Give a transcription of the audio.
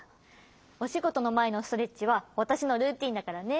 おしごとのまえのストレッチはわたしのルーティーンだからね。